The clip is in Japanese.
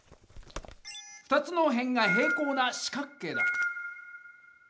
２つの辺が平行な四角形だ。